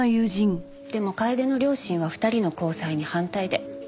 でも楓の両親は２人の交際に反対で。